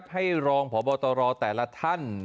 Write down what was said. ให้รองพบตรแต่ละท่าน